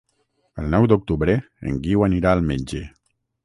El nou d'octubre en Guiu anirà al metge.